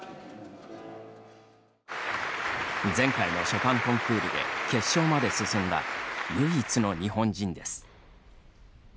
前回のショパンコンクールで決勝まで進んだ唯一の日本人です。